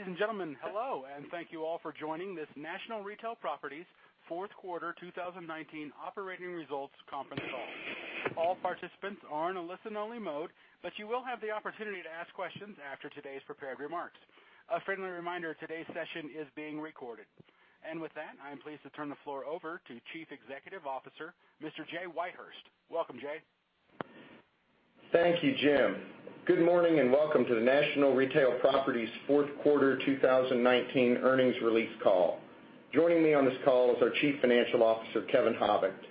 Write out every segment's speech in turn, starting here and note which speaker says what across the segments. Speaker 1: Ladies and gentlemen, hello, and thank you all for joining this National Retail Properties' Fourth Quarter 2019 Operating Results Conference Call. All participants are in a listen-only mode, but you will have the opportunity to ask questions after today's prepared remarks. A friendly reminder, today's session is being recorded. With that, I'm pleased to turn the floor over to Chief Executive Officer, Mr. Jay Whitehurst. Welcome, Jay.
Speaker 2: Thank you, Jim. Good morning, and welcome to the National Retail Properties' Fourth Quarter 2019 Earnings Release Call. Joining me on this call is our Chief Financial Officer, Kevin Habicht.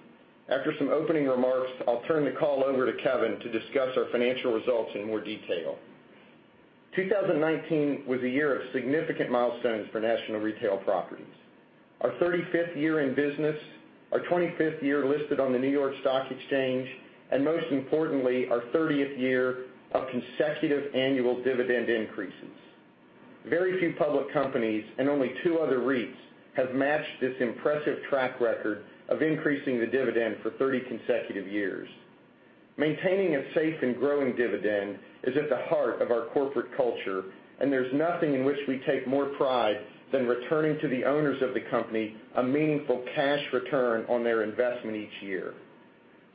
Speaker 2: After some opening remarks, I'll turn the call over to Kevin to discuss our financial results in more detail. 2019 was a year of significant milestones for National Retail Properties. Our 35th year in business, our 25th year listed on the New York Stock Exchange, and most importantly, our 30th year of consecutive annual dividend increases. Very few public companies, and only two other REITs, have matched this impressive track record of increasing the dividend for 30 consecutive years. Maintaining a safe and growing dividend is at the heart of our corporate culture, and there's nothing in which we take more pride than returning to the owners of the company a meaningful cash return on their investment each year.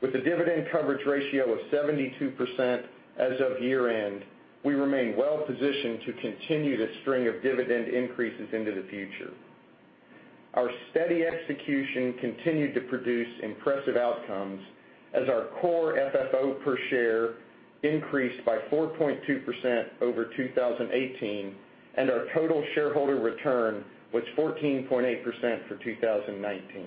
Speaker 2: With a dividend coverage ratio of 72% as of year-end, we remain well-positioned to continue the string of dividend increases into the future. Our steady execution continued to produce impressive outcomes as our Core FFO per share increased by 4.2% over 2018, and our total shareholder return was 14.8% for 2019.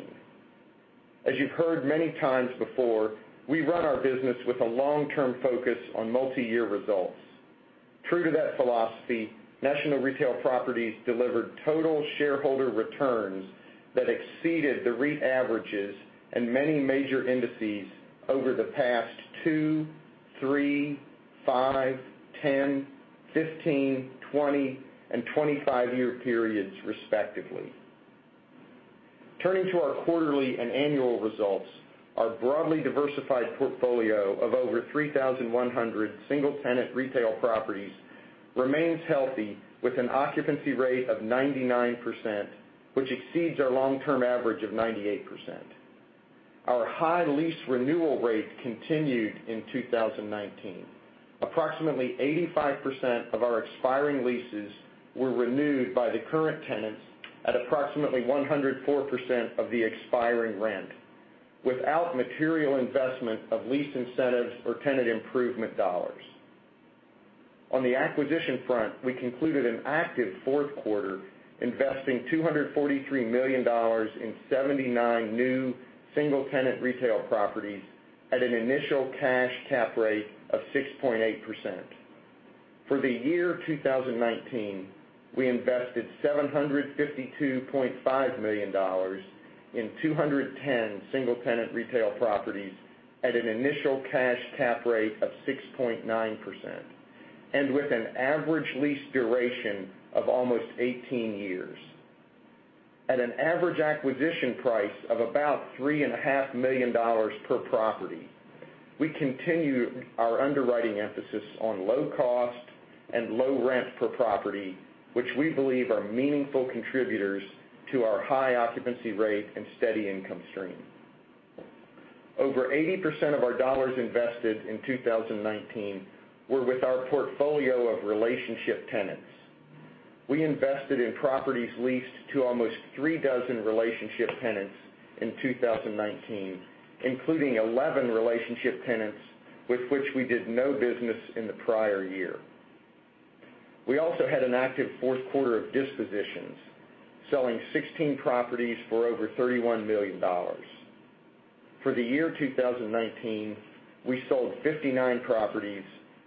Speaker 2: As you've heard many times before, we run our business with a long-term focus on multi-year results. True to that philosophy, National Retail Properties delivered total shareholder returns that exceeded the REIT averages and many major indices over the past 2,3, 5, 10, 15, 20, and 25-year periods respectively. Turning to our quarterly and annual results, our broadly diversified portfolio of over 3,100 single-tenant retail properties remains healthy, with an occupancy rate of 99%, which exceeds our long-term average of 98%. Our high lease renewal rate continued in 2019. Approximately 85% of our expiring leases were renewed by the current tenants at approximately 104% of the expiring rent without material investment of lease incentives or tenant improvement dollars. On the acquisition front, we concluded an active fourth quarter, investing $243 million in 79 new single-tenant retail properties at an initial cash cap rate of 6.8%. For the year 2019, we invested $752.5 million in 210 single-tenant retail properties at an initial cash cap rate of 6.9%, and with an average lease duration of almost 18 years. At an average acquisition price of about $3.5 million per property, we continue our underwriting emphasis on low cost and low rent per property, which we believe are meaningful contributors to our high occupancy rate and steady income stream. Over 80% of our dollars invested in 2019 were with our portfolio of relationship tenants. We invested in properties leased to almost three dozen relationship tenants in 2019, including 11 relationship tenants with which we did no business in the prior-year. We also had an active fourth quarter of dispositions, selling 16 properties for over $31 million. For the year 2019, we sold 59 properties,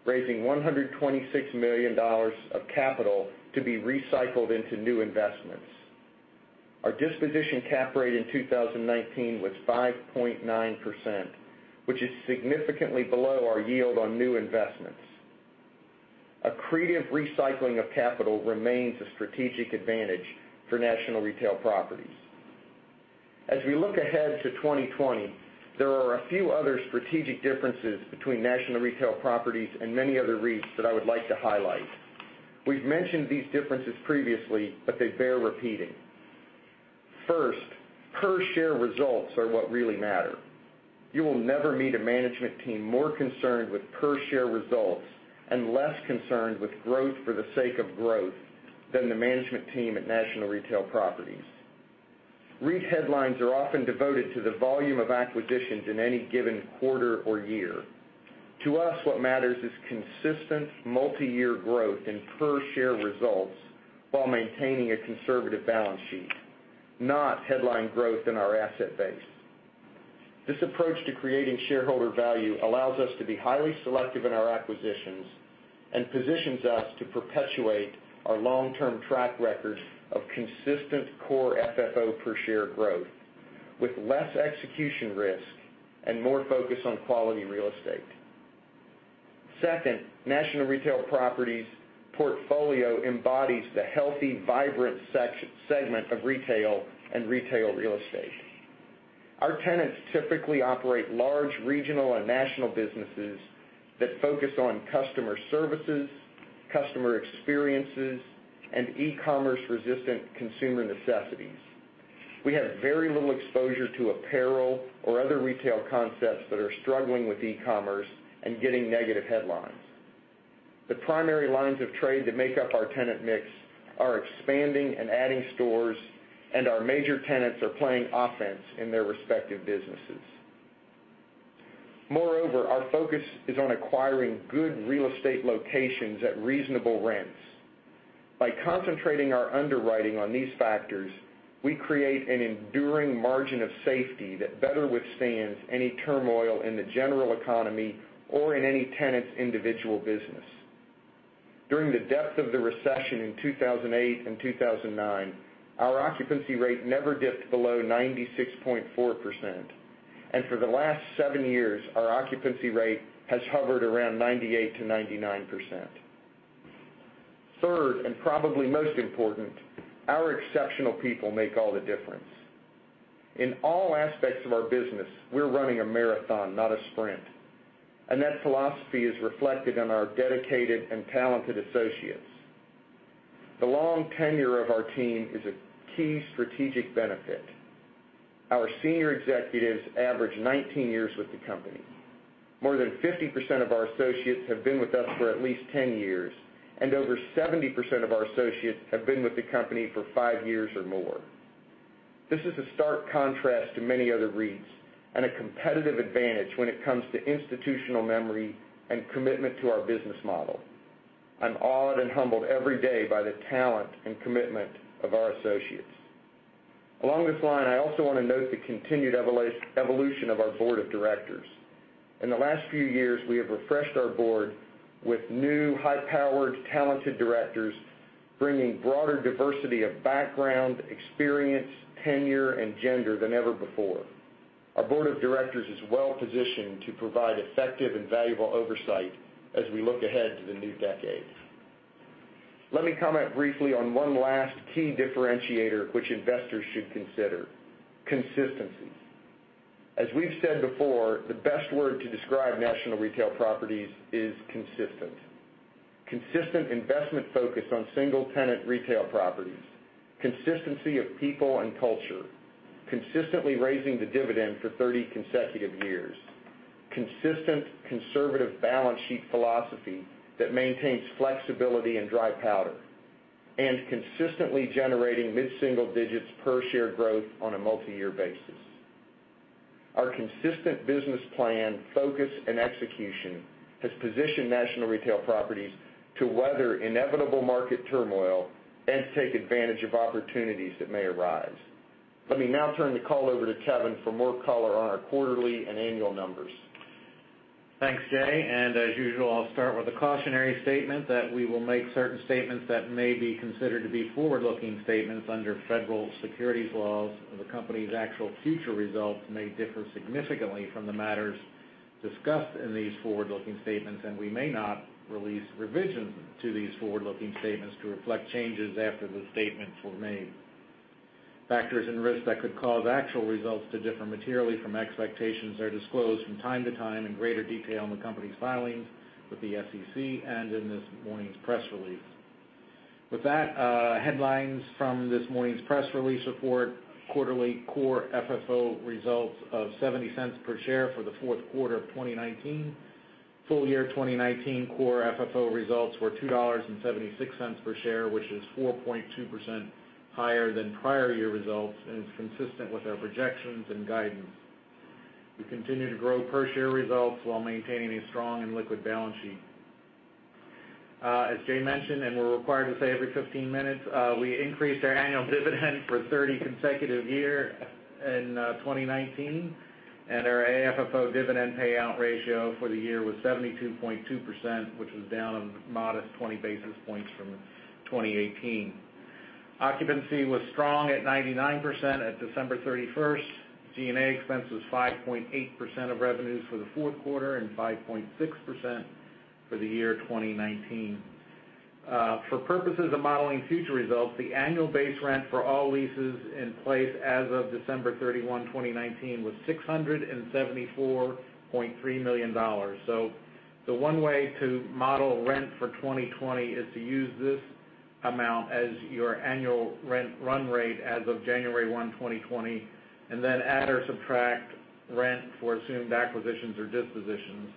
Speaker 2: raising $126 million of capital to be recycled into new investments. Our disposition cap rate in 2019 was 5.9%, which is significantly below our yield on new investments. Accretive recycling of capital remains a strategic advantage for National Retail Properties. As we look ahead to 2020, there are a few other strategic differences between National Retail Properties and many other REITs that I would like to highlight. We've mentioned these differences previously, but they bear repeating. First, per-share results are what really matter. You will never meet a management team more concerned with per-share results and less concerned with growth for the sake of growth than the management team at National Retail Properties. REIT headlines are often devoted to the volume of acquisitions in any given quarter or year. To us, what matters is consistent multi-year growth in per-share results while maintaining a conservative balance sheet, not headline growth in our asset base. This approach to creating shareholder value allows us to be highly selective in our acquisitions and positions us to perpetuate our long-term track record of consistent Core FFO per share growth with less execution risk and more focus on quality real estate. Second, National Retail Properties' portfolio embodies the healthy, vibrant segment of retail and retail real estate. Our tenants typically operate large regional and national businesses that focus on customer services, customer experiences, and e-commerce resistant consumer necessities. We have very little exposure to apparel or other retail concepts that are struggling with e-commerce and getting negative headlines. The primary lines of trade that make up our tenant mix are expanding and adding stores, and our major tenants are playing offense in their respective businesses. Moreover, our focus is on acquiring good real estate locations at reasonable rents. By concentrating our underwriting on these factors, we create an enduring margin of safety that better withstands any turmoil in the general economy or in any tenant's individual business. During the depth of the recession in 2008 and 2009, our occupancy rate never dipped below 96.4%, and for the last seven years, our occupancy rate has hovered around 98%-99%. Third, and probably most important, our exceptional people make all the difference. In all aspects of our business, we're running a marathon, not a sprint, and that philosophy is reflected in our dedicated and talented associates. The long tenure of our team is a key strategic benefit. Our senior executives average 19 years with the company. More than 50% of our associates have been with us for at least 10 years, and over 70% of our associates have been with the company for five years or more. This is a stark contrast to many other REITs and a competitive advantage when it comes to institutional memory and commitment to our business model. I'm awed and humbled every day by the talent and commitment of our associates. Along this line, I also want to note the continued evolution of our Board of Directors. In the last few years, we have refreshed our Board with new, high-powered, talented Directors, bringing broader diversity of background, experience, tenure, and gender than ever before. Our Board of Directors is well-positioned to provide effective and valuable oversight as we look ahead to the new decade. Let me comment briefly on one last key differentiator which investors should consider, consistency. As we've said before, the best word to describe National Retail Properties is consistent. Consistent investment focus on single-tenant retail properties, consistency of people and culture, consistently raising the dividend for 30 consecutive years. Consistent conservative balance sheet philosophy that maintains flexibility and dry powder, consistently generating mid-single-digits per share growth on a multi-year basis. Our consistent business plan, focus, and execution has positioned National Retail Properties to weather inevitable market turmoil and take advantage of opportunities that may arise. Let me now turn the call over to Kevin for more color on our quarterly and annual numbers.
Speaker 3: Thanks, Jay. As usual, I'll start with a cautionary statement that we will make certain statements that may be considered to be forward-looking statements under federal securities laws, and the company's actual future results may differ significantly from the matters discussed in these forward-looking statements, and we may not release revisions to these forward-looking statements to reflect changes after the statements were made. Factors and risks that could cause actual results to differ materially from expectations are disclosed from time-to-time in greater detail in the company's filings with the SEC and in this morning's press release. With that, headlines from this morning's press release report quarterly Core FFO results of $0.70 per share for the fourth quarter of 2019. Full year 2019 Core FFO results were $2.76 per share, which is 4.2% higher than prior-year results and is consistent with our projections and guidance. We continue to grow per share results while maintaining a strong and liquid balance sheet. As Jay mentioned, and we're required to say every 15 minutes, we increased our annual dividend for the 30th consecutive year in 2019, and our AFFO dividend payout ratio for the year was 72.2%, which was down a modest 20 basis points from 2018. Occupancy was strong at 99% at December 31st. G&A expense was 5.8% of revenues for the fourth quarter and 5.6% for the year 2019. For purposes of modeling future results, the annual base rent for all leases in place as of December 31, 2019, was $674.3 million. The one way to model rent for 2020 is to use this amount as your annual rent run-rate as of January 1, 2020, and then add or subtract rent for assumed acquisitions or dispositions.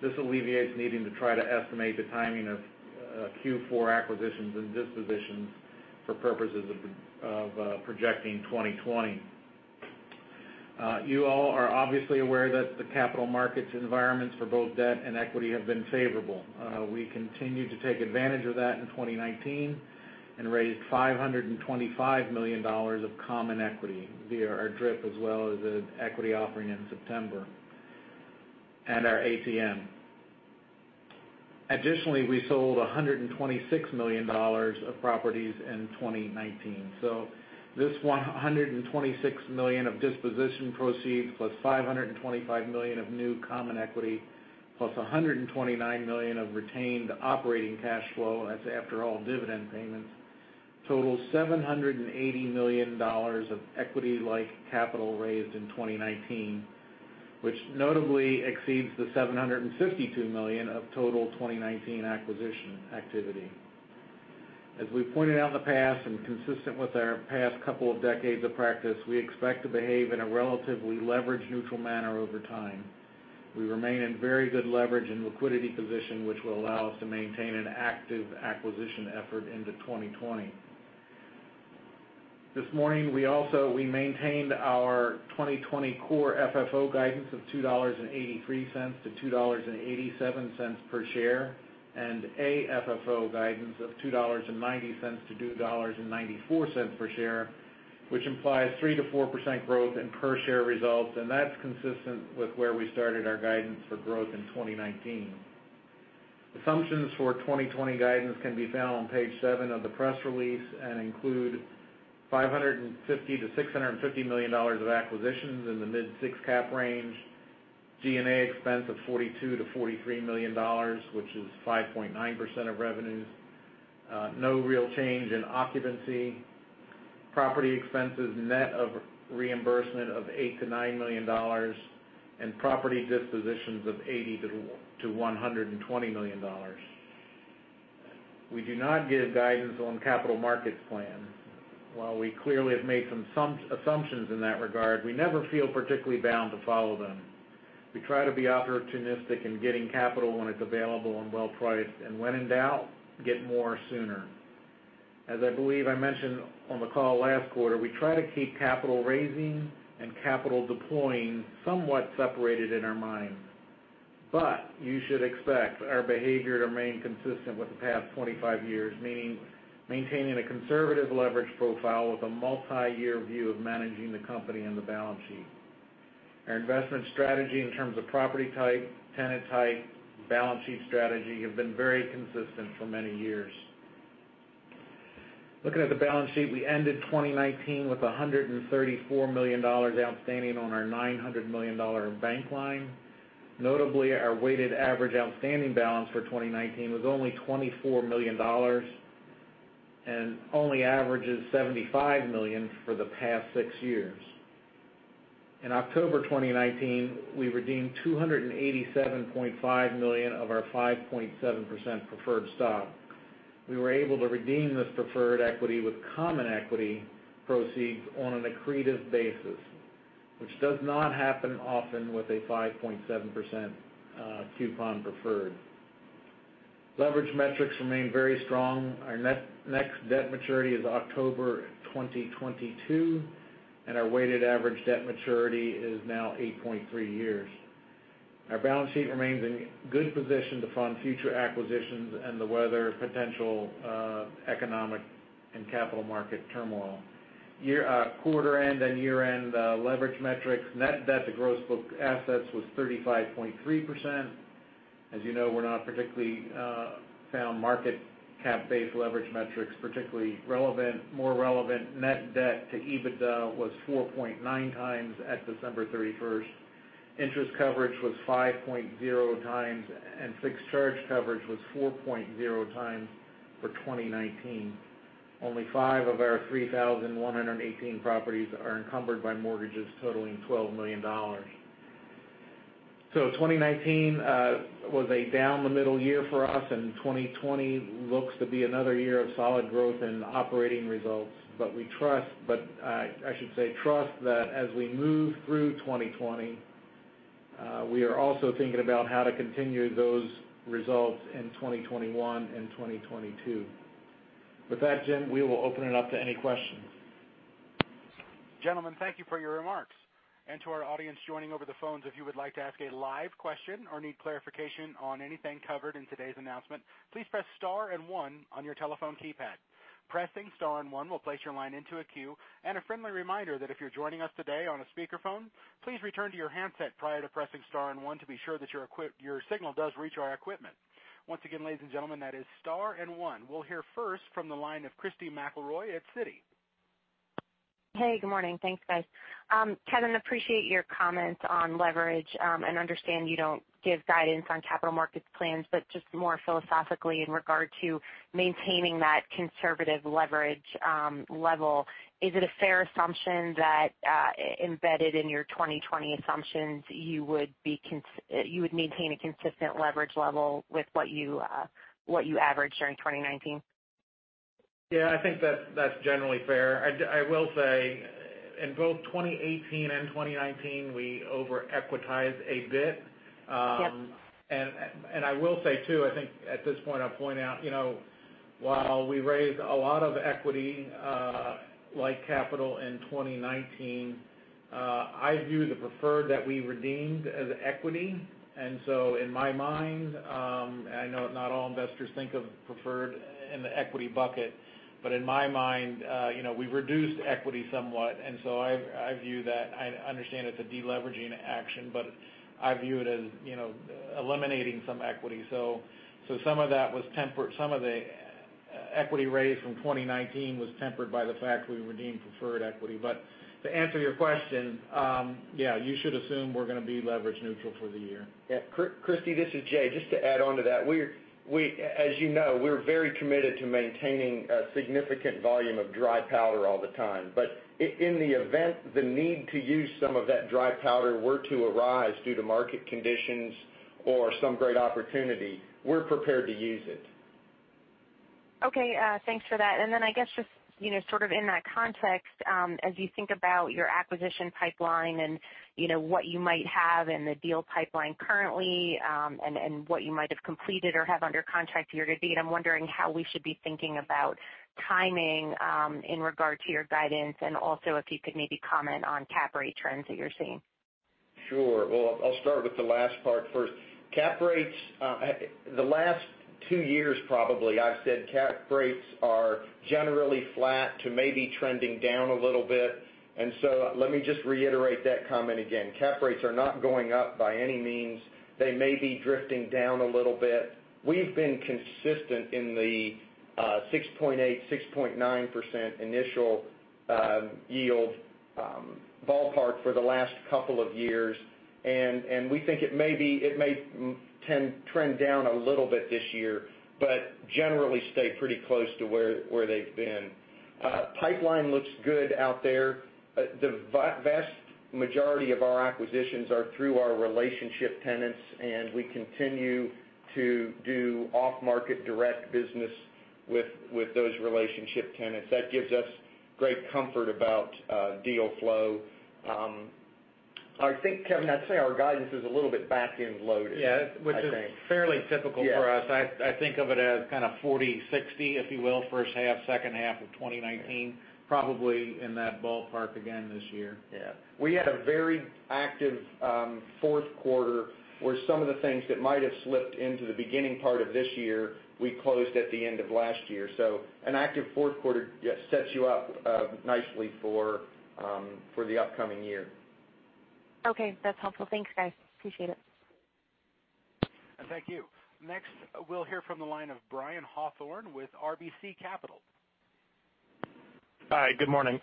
Speaker 3: This alleviates needing to try to estimate the timing of Q4 acquisitions and dispositions for purposes of projecting 2020. You all are obviously aware that the capital markets environments for both debt and equity have been favorable. We continued to take advantage of that in 2019 and raised $525 million of common equity via our DRIP as well as an equity offering in September, and our ATM. Additionally, we sold $126 million of properties in 2019. This $126 million of disposition proceeds +$525 million of new common equity, + $129 million of retained operating cash flow, that's after all dividend payments. Total $780 million of equity-like capital raised in 2019, which notably exceeds the $752 million of total 2019 acquisition activity. As we pointed out in the past and consistent with our past couple of decades of practice, we expect to behave in a relatively leverage-neutral manner over time. We remain in very good leverage and liquidity position, which will allow us to maintain an active acquisition effort into 2020. This morning, we maintained our 2020 Core FFO guidance of $2.83-$2.87 per share, AFFO guidance of $2.90-$2.94 per share, which implies 3%-4% growth in per share results. That's consistent with where we started our guidance for growth in 2019. Assumptions for 2020 guidance can be found on page seven of the press release and include $550 million-$650 million of acquisitions in the mid six cap range, G&A expense of $42 million-$43 million, which is 5.9% of revenues. No real change in occupancy. Property expenses, net of reimbursement of $8 million-$9 million, property dispositions of $80 million-$120 million. We do not give guidance on capital markets plan. While we clearly have made some assumptions in that regard, we never feel particularly bound to follow them. We try to be opportunistic in getting capital when it's available and well-priced, and when in doubt, get more sooner. As I believe I mentioned on the call last quarter, we try to keep capital raising and capital deploying somewhat separated in our minds. You should expect our behavior to remain consistent with the past 25 years, meaning maintaining a conservative leverage profile with a multi-year view of managing the company and the balance sheet. Our investment strategy in terms of property type, tenant type, balance sheet strategy, have been very consistent for many years. Looking at the balance sheet, we ended 2019 with $134 million outstanding on our $900 million bank line. Notably, our weighted average outstanding balance for 2019 was only $24 million, and only averages $75 million for the past six years. In October 2019, we redeemed $287.5 million of our 5.7% preferred stock. We were able to redeem this preferred equity with common equity proceeds on an accretive basis, which does not happen often with a 5.7% coupon preferred. Leverage metrics remain very strong. Our next debt maturity is October 2022, and our weighted average debt maturity is now 8.3 years. Our balance sheet remains in good position to fund future acquisitions and to weather potential economic and capital market turmoil. Quarter-end and year-end leverage metrics, net debt to gross book assets was 35.3%. As you know, we're not particularly found market cap-based leverage metrics particularly relevant. More relevant, net debt to EBITDA was 4.9x at December 31st. Interest coverage was 5.0x, and fixed charge coverage was 4.0x for 2019. Only five of our 3,118 properties are encumbered by mortgages totaling $12 million. 2019 was a down the middle year for us, and 2020 looks to be another year of solid growth in operating results. We trust that as we move through 2020, we are also thinking about how to continue those results in 2021 and 2022. With that, Jim, we will open it up to any questions.
Speaker 1: Gentlemen, thank you for your remarks. To our audience joining over the phones, if you would like to ask a live question or need clarification on anything covered in today's announcement, please press star and one on your telephone keypad. Pressing star and one will place your line into a queue. A friendly reminder that if you're joining us today on a speakerphone, please return to your handset prior to pressing star and one to be sure that your signal does reach our equipment. Once again, ladies and gentlemen, that is star and one. We'll hear first from the line of Christy McElroy at Citi.
Speaker 4: Hey, good morning. Thanks, guys. Kevin, appreciate your comments on leverage, and understand you don't give guidance on capital markets plans, but just more philosophically in regard to maintaining that conservative leverage level, is it a fair assumption that embedded in your 2020 assumptions, you would maintain a consistent leverage level with what you averaged during 2019?
Speaker 3: Yeah, I think that's generally fair. I will say in both 2018 and 2019, we over-equitized a bit.
Speaker 4: Yep.
Speaker 3: I will say, too, I think at this point I'll point out, while we raised a lot of equity-like capital in 2019, I view the preferred that we redeemed as equity. In my mind, I know not all investors think of preferred in the equity bucket, but in my mind, we've reduced equity somewhat, I view that I understand it's a de-leveraging action, but I view it as eliminating some equity. Some of the equity raise from 2019 was tempered by the fact we redeemed preferred equity. To answer your question, yeah, you should assume we're going to be leverage neutral for the year.
Speaker 2: Yeah. Christy, this is Jay. Just to add on to that, as you know, we're very committed to maintaining a significant volume of dry powder all the time. In the event, the need to use some of that dry powder were to arise due to market conditions or some great opportunity, we're prepared to use it.
Speaker 4: Okay. Thanks for that. I guess just, sort of in that context, as you think about your acquisition pipeline and what you might have in the deal pipeline currently, and what you might have completed or have under contract year-to-date, I'm wondering how we should be thinking about timing, in regard to your guidance, and also if you could maybe comment on cap rate trends that you're seeing.
Speaker 2: Sure. I'll start with the last part first. Cap rates, the last two years probably, I've said cap rates are generally flat to maybe trending down a little bit. Let me just reiterate that comment again. Cap rates are not going up by any means. They may be drifting down a little bit. We've been consistent in the 6.8, 6.9% initial yield ballpark for the last couple of years, and we think it may trend down a little bit this year, but generally stay pretty close to where they've been. Pipeline looks good out there. The vast majority of our acquisitions are through our relationship tenants, and we continue to do off-market direct business with those relationship tenants. That gives us great comfort about deal flow. I think, Kevin, I'd say our guidance is a little bit back-end loaded.
Speaker 3: Yeah. Which is fairly typical for us.
Speaker 2: Yeah.
Speaker 3: I think of it as kind of 40, 60, if you will, first half, second half of 2019, probably in that ballpark again this year.
Speaker 2: We had a very active fourth quarter where some of the things that might have slipped into the beginning part of this year, we closed at the end of last year. An active fourth quarter sets you up nicely for the upcoming year.
Speaker 4: Okay. That's helpful. Thanks, guys. Appreciate it.
Speaker 1: Thank you. Next, we'll hear from the line of Brian Hawthorne with RBC Capital.
Speaker 5: Hi. Good morning.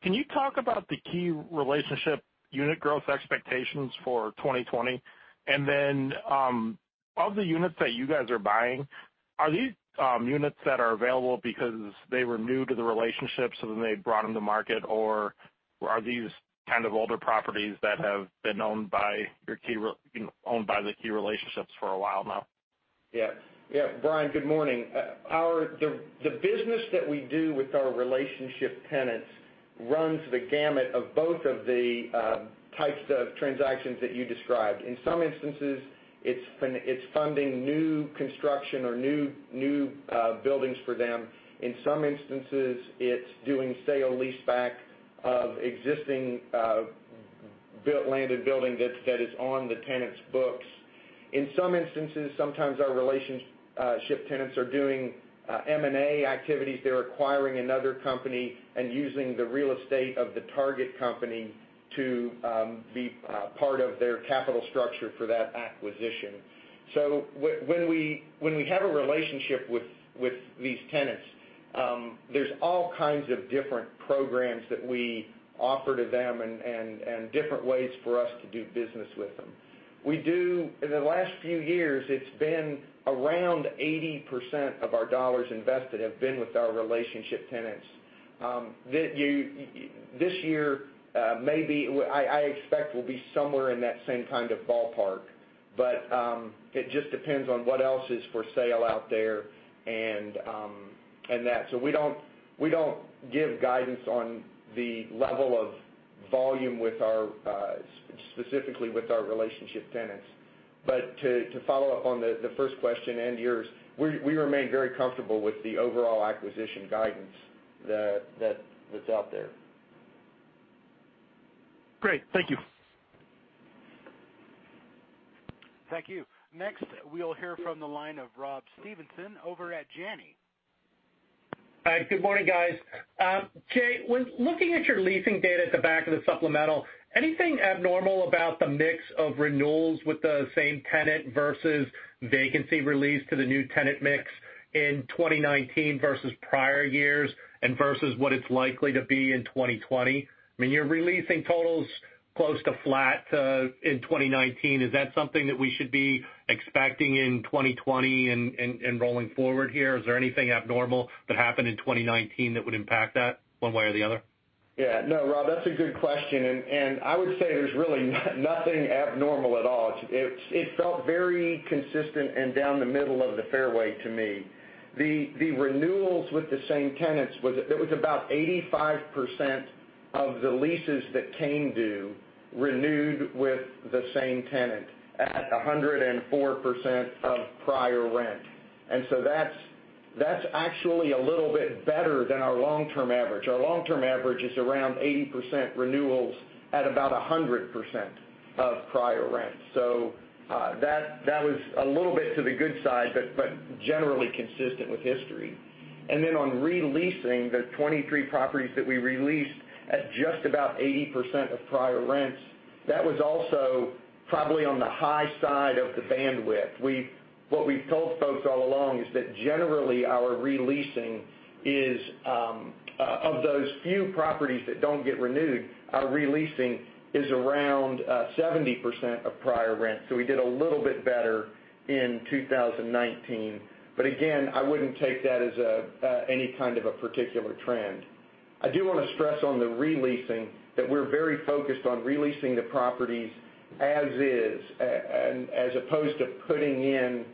Speaker 5: Can you talk about the key relationship unit growth expectations for 2020? Of the units that you guys are buying, are these units that are available because they were new to the relationship, so then they brought them to market, or are these kind of older properties that have been owned by the key relationships for a while now?
Speaker 2: Yeah. Brian, good morning. The business that we do with our relationship tenants runs the gamut of both of the types of transactions that you described. In some instances, it's funding new construction or new buildings for them. In some instances, it's doing sale leaseback of existing landed building that is on the tenant's books. In some instances, sometimes our relationship tenants are doing M&A activities. They're acquiring another company and using the real estate of the target company to be part of their capital structure for that acquisition. When we have a relationship with these tenants, there's all kinds of different programs that we offer to them and different ways for us to do business with them. In the last few years, it's been around 80% of our dollars invested have been with our relationship tenants. This year, I expect will be somewhere in that same kind of ballpark. It just depends on what else is for sale out there and that. We don't give guidance on the level of volume specifically with our relationship tenants. To follow-up on the first question and yours, we remain very comfortable with the overall acquisition guidance that's out there.
Speaker 5: Great. Thank you.
Speaker 1: Thank you. Next, we'll hear from the line of Rob Stevenson over at Janney.
Speaker 6: Hi. Good morning, guys. Jay, when looking at your leasing data at the back of the supplemental, anything abnormal about the mix of renewals with the same tenant versus vacancy release to the new tenant mix in 2019 versus prior-years, and versus what it's likely to be in 2020? I mean, you're releasing totals close to flat in 2019. Is that something that we should be expecting in 2020 and rolling forward here? Is there anything abnormal that happened in 2019 that would impact that one way or the other?
Speaker 2: Yeah. No, Rob, that's a good question, and I would say there's really nothing abnormal at all. It felt very consistent and down the middle of the fairway to me. The renewals with the same tenants, it was about 85% of the leases that came due renewed with the same tenant at 104% of prior rent. That's actually a little bit better than our long-term average. Our long-term average is around 80% renewals at about 100% of prior rent. That was a little bit to the good side, but generally consistent with history. On re-leasing, the 23 properties that we released at just about 80% of prior rents, that was also probably on the high side of the bandwidth. What we've told folks all along is that generally our re-leasing is, of those few properties that don't get renewed, our re-leasing is around 70% of prior rent. We did a little bit better in 2019. Again, I wouldn't take that as any kind of a particular trend. I do want to stress on the re-leasing that we're very focused on re-leasing the properties as is, as opposed to putting in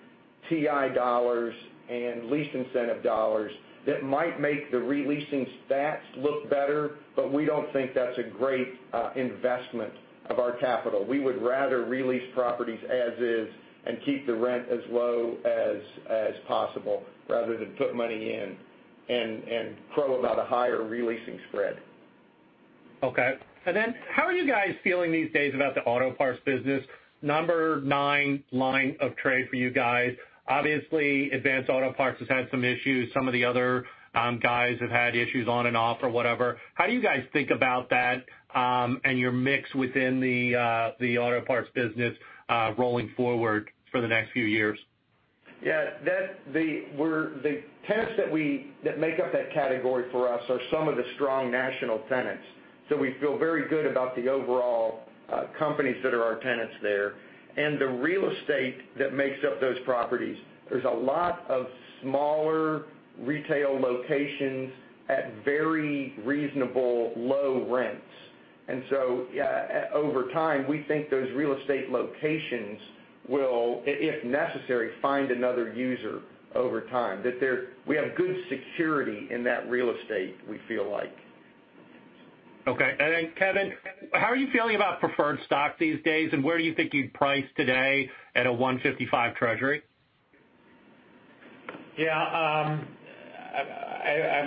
Speaker 2: TI dollars and lease incentive dollars that might make the re-leasing stats look better, but we don't think that's a great investment of our capital. We would rather re-lease properties as is and keep the rent as low as possible rather than put money in and crow about a higher re-leasing spread.
Speaker 6: Okay. Then how are you guys feeling these days about the auto parts business? Number nine line of trade for you guys. Obviously, Advance Auto Parts has had some issues. Some of the other guys have had issues on and off or whatever. How do you guys think about that and your mix within the auto parts business rolling forward for the next few years?
Speaker 2: Yeah. The tenants that make up that category for us are some of the strong national tenants. We feel very good about the overall companies that are our tenants there. The real estate that makes up those properties, there's a lot of smaller retail locations at very reasonable low rents. Over time, we think those real estate locations will, if necessary, find another user over time. That we have good security in that real estate, we feel like.
Speaker 6: Okay. Kevin, how are you feeling about preferred stock these days, and where do you think you'd price today at a 155 Treasury?
Speaker 3: Yeah.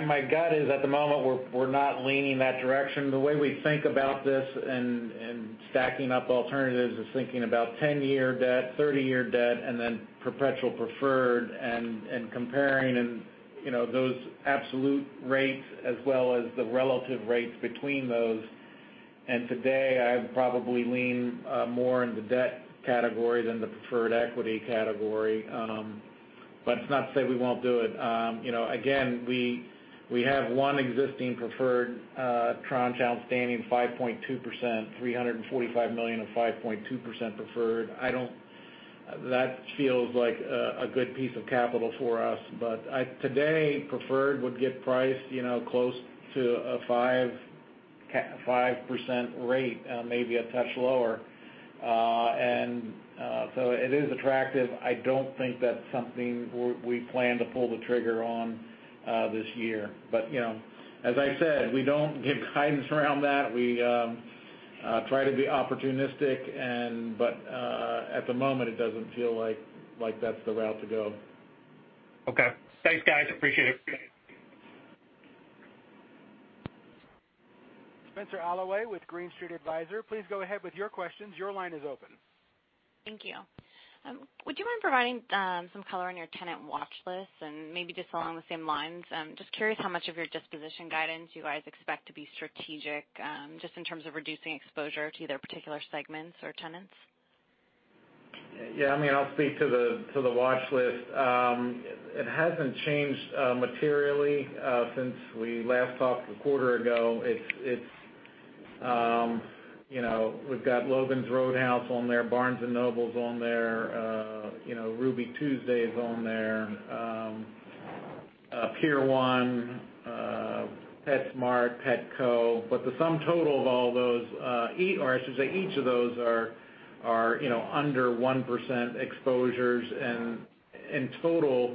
Speaker 3: My gut is, at the moment, we're not leaning that direction. The way we think about this and stacking up alternatives is thinking about 10-year debt, 30-year debt, and then perpetual preferred and comparing those absolute rates as well as the relative rates between those. Today, I'd probably lean more in the debt category than the preferred equity category. It's not to say we won't do it. Again, we have one existing preferred tranche outstanding, 5.2%, $345 million of 5.2% preferred. That feels like a good piece of capital for us. Today, preferred would get priced close to a 5% rate, maybe a touch lower. It is attractive. I don't think that's something we plan to pull the trigger on this year. As I said, we don't give guidance around that. We try to be opportunistic, but at the moment, it doesn't feel like that's the route to go.
Speaker 6: Okay. Thanks, guys. Appreciate it.
Speaker 1: Spenser Allaway with Green Street Advisors. Please go ahead with your questions. Your line is open.
Speaker 7: Thank you. Would you mind providing some color on your tenant watch list and maybe just along the same lines, just curious how much of your disposition guidance you guys expect to be strategic, just in terms of reducing exposure to either particular segments or tenants?
Speaker 3: Yeah, I'll speak to the watch list. It hasn't changed materially since we last talked a quarter ago. We've got Logan's Roadhouse on there, Barnes & Noble on there, Ruby Tuesday on there, Pier 1, PetSmart, Petco. The sum total of all those, or I should say, each of those are under 1% exposures. In total,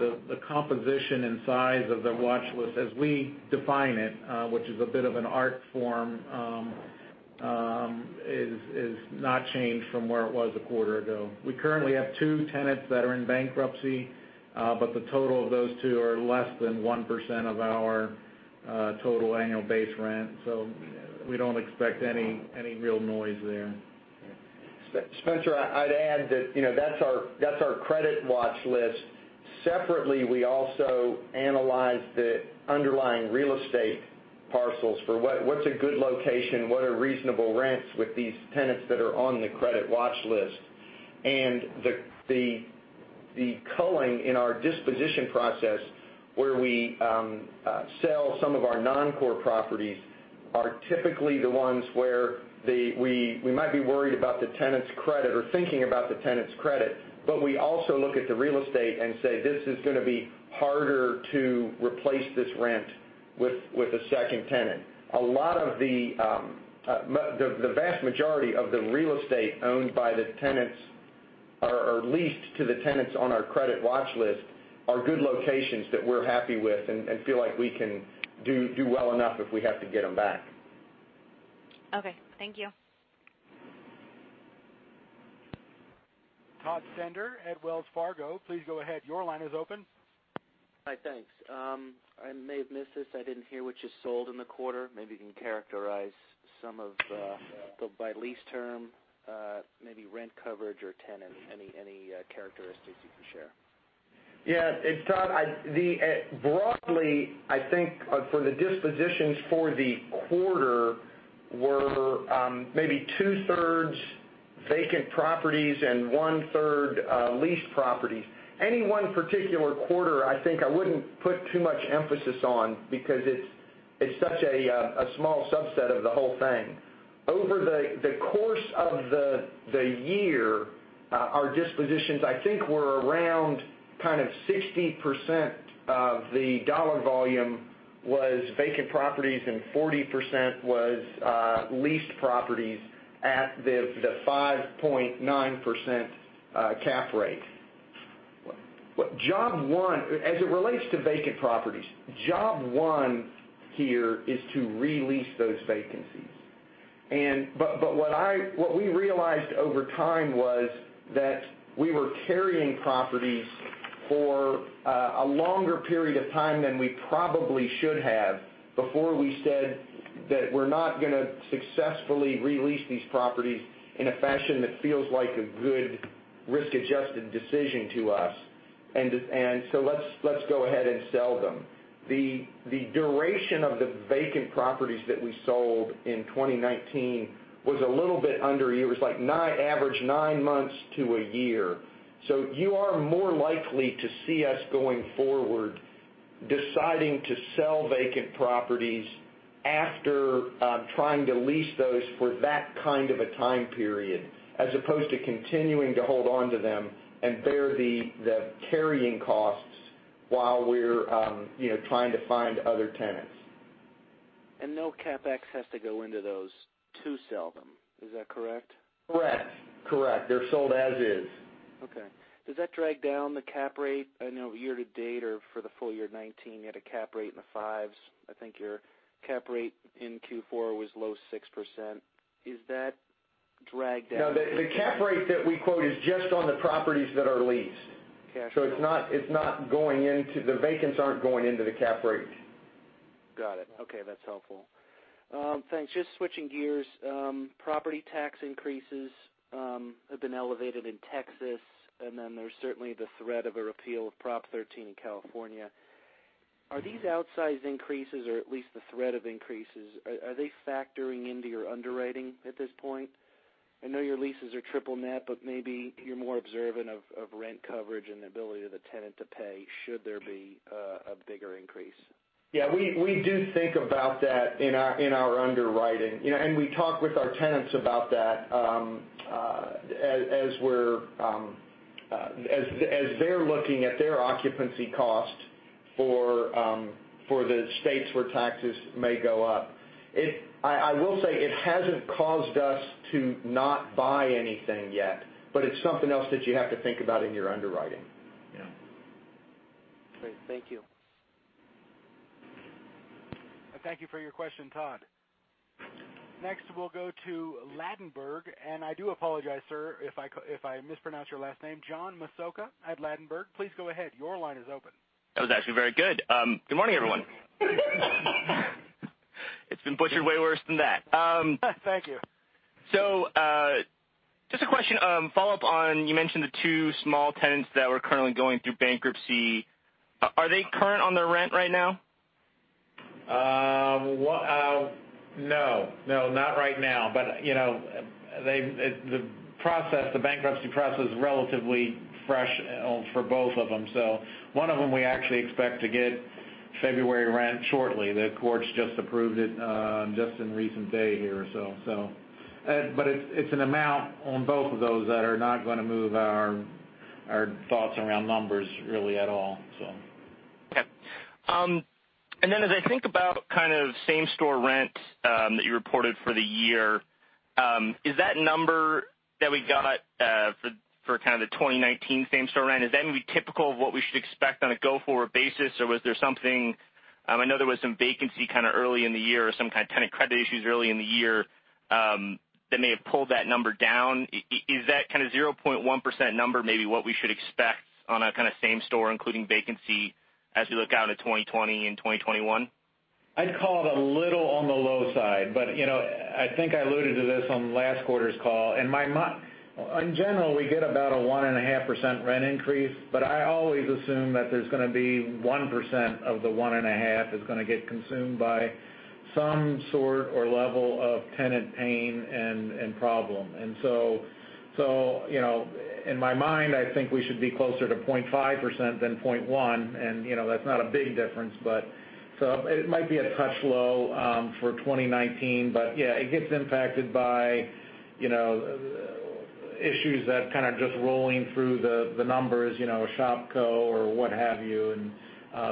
Speaker 3: the composition and size of the watch list as we define it, which is a bit of an art form, is not changed from where it was a quarter ago. We currently have two tenants that are in bankruptcy. The total of those two are less than 1% of our total annual base rent. We don't expect any real noise there.
Speaker 2: Spenser, I'd add that's our credit watch list. Separately, we also analyze the underlying real estate parcels for what's a good location, what are reasonable rents with these tenants that are on the credit watch list. The culling in our disposition process where we sell some of our non-core properties are typically the ones where we might be worried about the tenant's credit or thinking about the tenant's credit. We also look at the real estate and say, "This is going to be harder to replace this rent with a second tenant." The vast majority of the real estate owned by the tenants or leased to the tenants on our credit watch list are good locations that we're happy with and feel like we can do well enough if we have to get them back.
Speaker 7: Okay. Thank you.
Speaker 1: Todd Stender at Wells Fargo. Please go ahead. Your line is open.
Speaker 8: Hi, thanks. I may have missed this. I didn't hear what you sold in the quarter. Maybe you can characterize some of the, by lease-term, maybe rent coverage or tenant, any characteristics you can share?
Speaker 2: Todd, broadly, I think for the dispositions for the quarter were maybe 2/3 vacant properties and 1/3 leased properties. Any one particular quarter, I think I wouldn't put too much emphasis on because it's such a small subset of the whole thing. Over the course of the year, our dispositions, I think, were around 60% of the dollar volume was vacant properties and 40% was leased properties at the 5.9% cap rate. As it relates to vacant properties, job one here is to re-lease those vacancies. What we realized over time was that we were carrying properties for a longer period of time than we probably should have before we said that we're not going to successfully re-lease these properties in a fashion that feels like a good risk-adjusted decision to us, and so let's go ahead and sell them. The duration of the vacant properties that we sold in 2019 was a little bit under a year. It was like average nine months to a year. You are more likely to see us going forward, deciding to sell vacant properties after trying to lease those for that kind of a time period, as opposed to continuing to hold onto them and bear the carrying costs while we're trying to find other tenants.
Speaker 8: No CapEx has to go into those to sell them. Is that correct?
Speaker 2: Correct. They're sold as is.
Speaker 8: Okay. Does that drag down the cap rate? I know year to date or for the full-year 2019, you had a cap rate in the fives. I think your cap rate in Q4 was low 6%.
Speaker 2: No, the cap rate that we quote is just on the properties that are leased.
Speaker 8: Okay.
Speaker 2: The vacants aren't going into the cap rate.
Speaker 8: Got it. Okay. That's helpful. Thanks. Switching gears. Property tax increases have been elevated in Texas. There's certainly the threat of a repeal of Proposition 13 in California. Are these outsized increases, or at least the threat of increases, are they factoring into your underwriting at this point? I know your leases are triple net. Maybe you're more observant of rent coverage and the ability of the tenant to pay should there be a bigger increase.
Speaker 2: Yeah, we do think about that in our underwriting. We talk with our tenants about that as they're looking at their occupancy costs for the states where taxes may go up. I will say it hasn't caused us to not buy anything yet, it's something else that you have to think about in your underwriting.
Speaker 8: Yeah. Great. Thank you.
Speaker 1: Thank you for your question, Todd. Next, we'll go to Ladenburg. I do apologize, sir, if I mispronounce your last name. John Massocca at Ladenburg, please go ahead. Your line is open.
Speaker 9: That was actually very good. Good morning, everyone. It's been butchered way worse than that.
Speaker 1: Thank you.
Speaker 9: Just a question, follow-up on, you mentioned the two small tenants that were currently going through bankruptcy. Are they current on their rent right now?
Speaker 3: No, not right now. The bankruptcy process is relatively fresh for both of them. One of them we actually expect to get February rent shortly. The courts just approved it just in recent day here. It's an amount on both of those that are not going to move our thoughts around numbers really at all.
Speaker 9: Okay. As I think about same store rents that you reported for the year, is that number that we got for kind of the 2019 same store rent, is that going to be typical of what we should expect on a go-forward basis, or was there something I know there was some vacancy kind of early in the year or some kind of tenant credit issues early in the year that may have pulled that number down? Is that 0.1% number maybe what we should expect on a kind of same store, including vacancy as we look out at 2020 and 2021?
Speaker 3: I'd call it a little on the low side, but I think I alluded to this on last quarter's call. In general, we get about a 1.5% rent increase, but I always assume that there's going to be 1% of the 1.5% is going to get consumed by some sort or level of tenant pain and problem. In my mind, I think we should be closer to 0.5% than 0.1%, and that's not a big difference. It might be a touch low for 2019. Yeah, it gets impacted by issues that kind of just rolling through the numbers, Shopko or what have you, and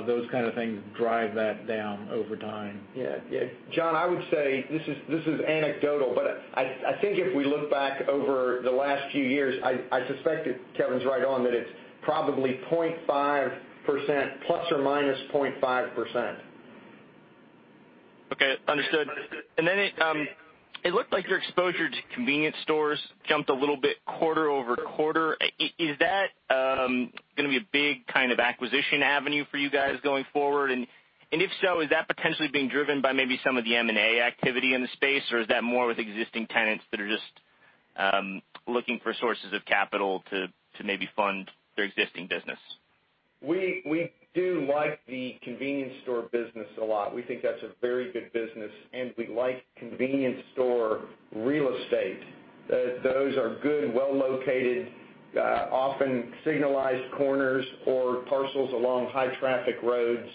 Speaker 3: those kind of things drive that down over time.
Speaker 2: Yeah. John, I would say, this is anecdotal, but I think if we look back over the last few years, I suspect that Kevin's right on that it's probably 0.5% ±0.5%.
Speaker 9: Okay. Understood. It looked like your exposure to convenience stores jumped a little bit quarter-over-quarter. Is that going to be a big kind of acquisition avenue for you guys going forward? If so, is that potentially being driven by maybe some of the M&A activity in the space, or is that more with existing tenants that are just looking for sources of capital to maybe fund their existing business.
Speaker 2: We do like the convenience store business a lot. We think that's a very good business, and we like convenience store real estate. Those are good, well-located, often signalized corners or parcels along high-traffic roads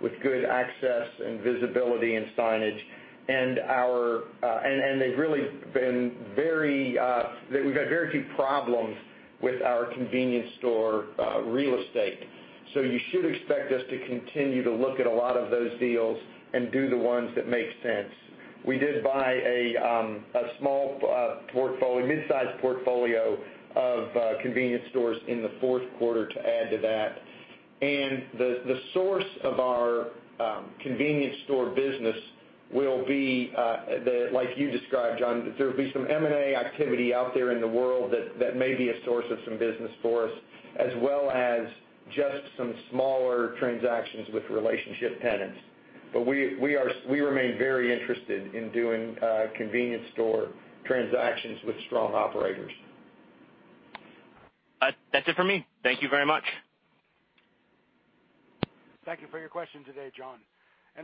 Speaker 2: with good access and visibility and signage. They've really been very few problems with our convenience store real estate. You should expect us to continue to look at a lot of those deals and do the ones that make sense. We did buy a small portfolio, mid-size portfolio of convenience stores in the fourth quarter to add to that. The source of our convenience store business will be, like you described, John, that there will be some M&A activity out there in the world that may be a source of some business for us, as well as just some smaller transactions with relationship tenants. We remain very interested in doing convenience store transactions with strong operators.
Speaker 9: That's it for me. Thank you very much.
Speaker 1: Thank you for your question today, John.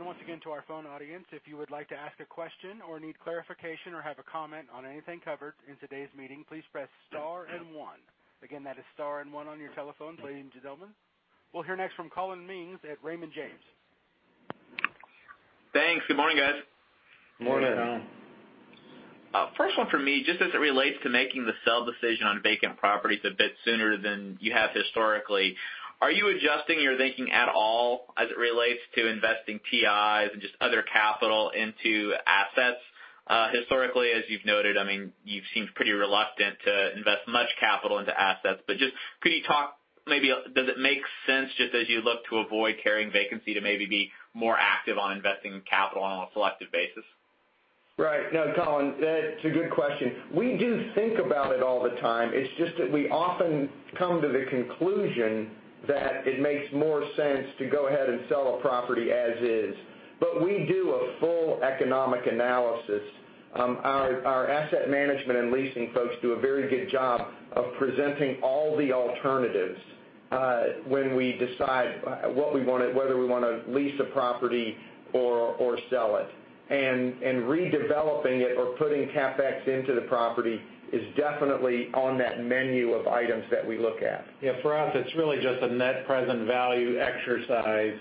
Speaker 1: Once again, to our phone audience, if you would like to ask a question or need clarification or have a comment on anything covered in today's meeting, please press star and one. Again, that is star and one on your telephone, ladies and gentlemen. We'll hear next from Colin Mings at Raymond James.
Speaker 10: Thanks. Good morning, guys.
Speaker 2: Morning, Colin.
Speaker 10: First one for me, just as it relates to making the sell decision on vacant properties a bit sooner than you have historically, are you adjusting your thinking at all as it relates to investing TIs and just other capital into assets? Historically, as you've noted, you've seemed pretty reluctant to invest much capital into assets, but just could you talk maybe, does it make sense just as you look to avoid carrying vacancy to maybe be more active on investing capital on a selective basis?
Speaker 2: Right. No, Colin, that's a good question. We do think about it all the time. It's just that we often come to the conclusion that it makes more sense to go ahead and sell a property as is. We do a full economic analysis. Our asset management and leasing folks do a very good job of presenting all the alternatives, when we decide what we want to, whether we want to lease a property or sell it. Redeveloping it or putting CapEx into the property is definitely on that menu of items that we look at.
Speaker 3: Yeah, for us, it's really just a net present value exercise.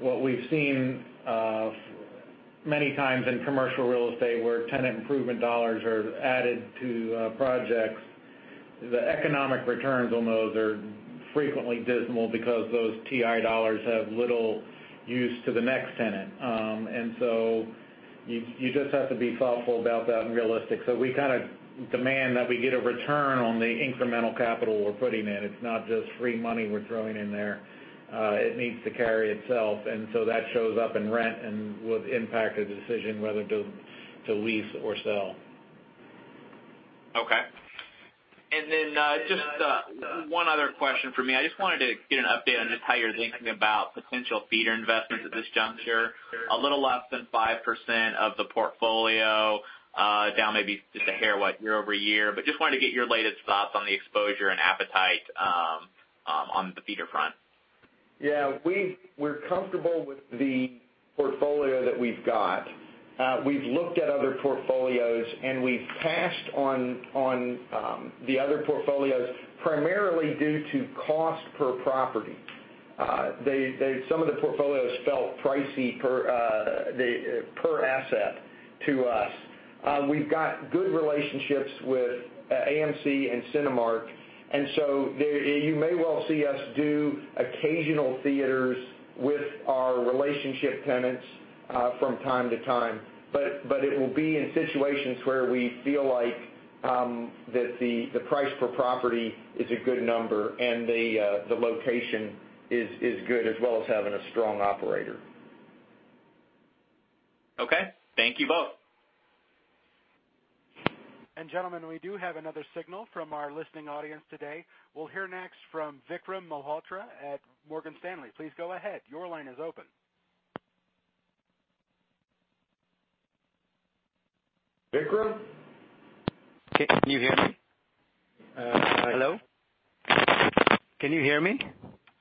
Speaker 3: What we've seen many times in commercial real estate where tenant improvement dollars are added to projects, the economic returns on those are frequently dismal because those TI dollars have little use to the next tenant. You just have to be thoughtful about that and realistic. We kind of demand that we get a return on the incremental capital we're putting in. It's not just free money we're throwing in there. It needs to carry itself. That shows up in rent and will impact a decision whether to lease or sell.
Speaker 10: Okay. Just one other question from me. I just wanted to get an update on just how you're thinking about potential theater investments at this juncture. A little less than 5% of the portfolio, down maybe just a hair, what, year-over-year. Just wanted to get your latest thoughts on the exposure and appetite on the theater front.
Speaker 2: Yeah. We're comfortable with the portfolio that we've got. We've looked at other portfolios, we've passed on the other portfolios primarily due to cost per property. Some of the portfolios felt pricey per asset to us. We've got good relationships with AMC and Cinemark, you may well see us do occasional theaters with our relationship tenants from time-to-time. It will be in situations where we feel like that the price per property is a good number and the location is good, as well as having a strong operator.
Speaker 10: Okay. Thank you both.
Speaker 1: Gentlemen, we do have another signal from our listening audience today. We'll hear next from Vikram Malhotra at Morgan Stanley. Please go ahead. Your line is open. Vikram?
Speaker 11: Can you hear me? Hello? Can you hear me?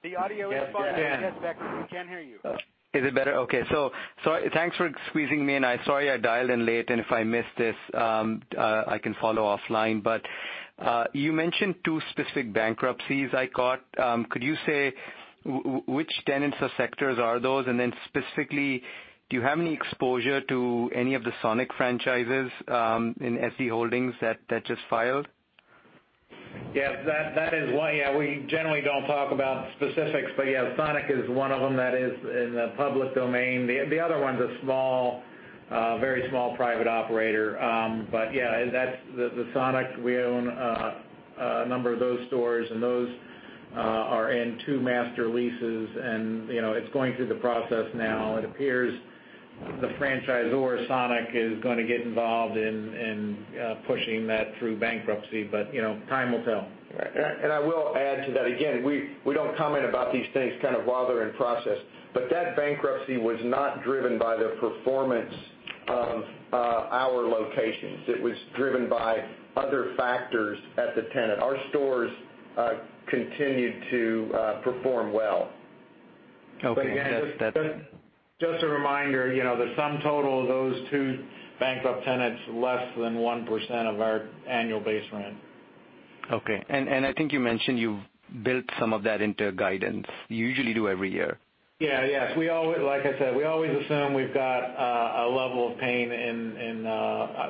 Speaker 1: The audio is fine. Yes, Vikram, we can hear you.
Speaker 11: Is it better? Okay. Thanks for squeezing me in. Sorry I dialed in late, and if I missed this, I can follow offline. You mentioned two specific bankruptcies I caught. Could you say which tenants or sectors are those? Specifically, do you have any exposure to any of the Sonic franchises in SD Holdings that just filed?
Speaker 3: Yes, that is one. Yeah, we generally don't talk about specifics, but yeah, Sonic is one of them that is in the public domain. The other one's a very small private operator. Yeah, the Sonic, we own a number of those stores, and those are in two master leases, and it's going through the process now. It appears the franchisor, Sonic, is gonna get involved in pushing that through bankruptcy, time will tell.
Speaker 2: Right. I will add to that, again, we don't comment about these things kind of while they're in process, but that bankruptcy was not driven by the performance of our locations. It was driven by other factors at the tenant. Our stores continued to perform well.
Speaker 11: Okay.
Speaker 3: Again, just a reminder, the sum total of those two bankrupt tenants, less than 1% of our annual base rent.
Speaker 11: Okay. I think you mentioned you've built some of that into guidance. You usually do every year.
Speaker 3: Yeah. Like I said, we always assume we've got a level of pain in,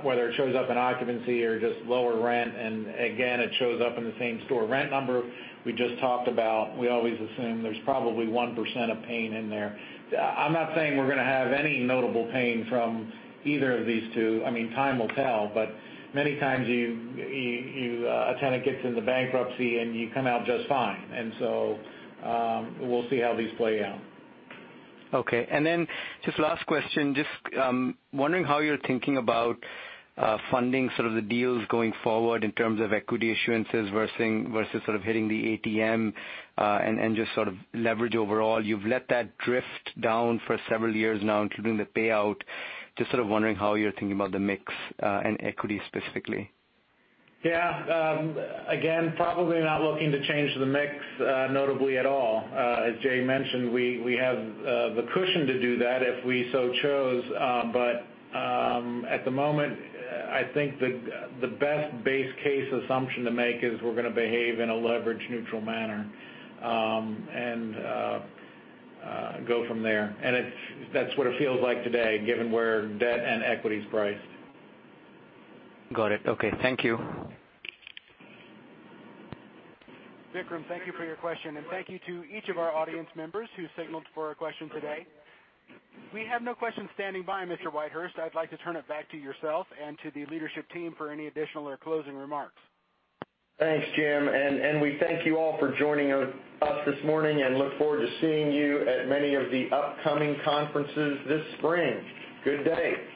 Speaker 3: whether it shows up in occupancy or just lower rent, and again, it shows up in the same-store rent number we just talked about. We always assume there's probably 1% of pain in there. I'm not saying we're going to have any notable pain from either of these two. Time will tell, many times a tenant gets into bankruptcy, and you come out just fine. We'll see how these play out.
Speaker 11: Okay. Just last question, just wondering how you're thinking about funding sort of the deals going forward in terms of equity issuances versus sort of hitting the ATM, and just sort of leverage overall. You've let that drift down for several years now, including the payout. Just sort of wondering how you're thinking about the mix, and equity specifically.
Speaker 3: Yeah. Again, probably not looking to change the mix notably at all. As Jay mentioned, we have the cushion to do that if we so chose. At the moment, I think the best base case assumption to make is we're going to behave in a leverage-neutral manner, and go from there. That's what it feels like today, given where debt and equity's priced.
Speaker 11: Got it. Okay. Thank you.
Speaker 1: Vikram, thank you for your question, and thank you to each of our audience members who signaled for a question today. We have no questions standing by, Mr. Whitehurst. I'd like to turn it back to yourself and to the leadership team for any additional or closing remarks.
Speaker 2: Thanks, Jim, we thank you all for joining us this morning and look forward to seeing you at many of the upcoming conferences this spring. Good day.